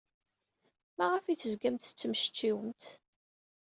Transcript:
Maɣef ay tezgamt tettmecčiwemt?